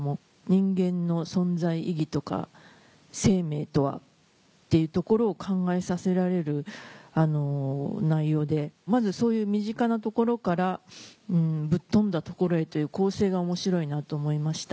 人間の存在意義とか生命とはっていうところを考えさせられる内容でまずそういう身近なところからぶっ飛んだところへという構成が面白いなと思いました。